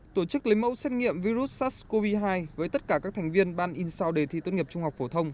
tổ chức lấy mẫu xét nghiệm virus sars cov hai với tất cả các thành viên ban in sau đề thi tốt nghiệp trung học phổ thông